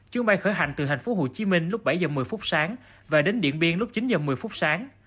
chuyến bay khởi hành từ tp hcm lúc bảy h một mươi phút sáng và đến điện biên lúc chín h một mươi phút sáng